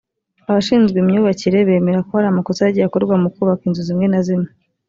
Abashinzwe imyubakire bemera ko hari amakosa yagiye akorwa mu kubaka inzu zimwe na zimwe